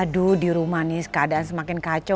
aduh di rumah nih keadaan semakin kacau